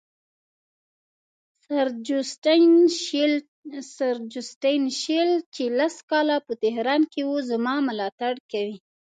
سر جوسټین شیل چې لس کاله په تهران کې وو زما ملاتړ کوي.